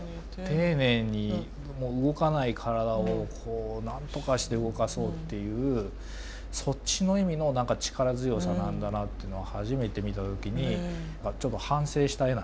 丁寧に動かない体をなんとかして動かそうっていうそっちの意味の力強さなんだなっていうのは初めて見た時にちょっと反省した絵なんですね。